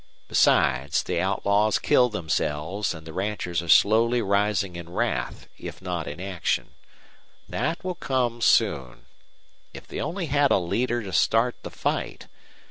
Besides, the outlaws kill themselves, and the ranchers are slowly rising in wrath, if not in action. That will come soon. If they only had a leader to start the fight!